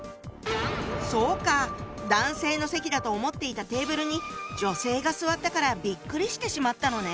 そうか男性の席だと思っていたテーブルに女性が座ったからビックリしてしまったのね。